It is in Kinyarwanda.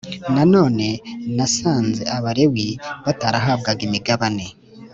Nanone nasanze Abalewi batarahabwaga imigabane